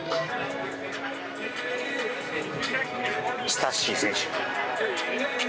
スタッシ選手。